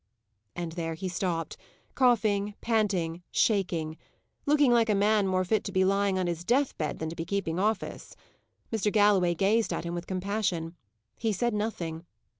And there he stopped coughing, panting, shaking; looking like a man more fit to be lying on his death bed than to be keeping office. Mr. Galloway gazed at him with compassion. He said nothing.